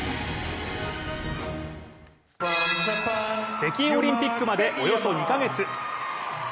北京オリンピックまでおよそ２カ月。